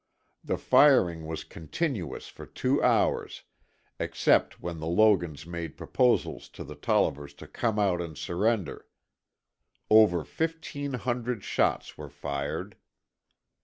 The firing was continuous for two hours, except while the Logans made proposals to the Tollivers to come out and surrender. Over fifteen hundred shots were fired.